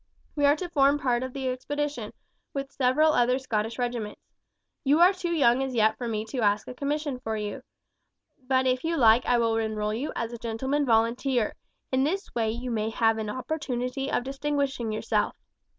We are to form part of the expedition, with several other Scottish regiments. You are too young as yet for me to ask for a commission for you, but if you like I will enroll you as a gentleman volunteer; in this way you may have an opportunity of distinguishing yourself.